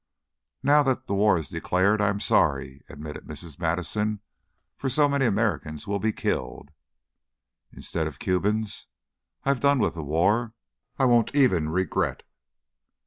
"Now that the war is declared, I am sorry;" admitted Mrs. Madison, "for so many Americans will be killed." "Instead of Cubans. I've done with the war. I won't even regret."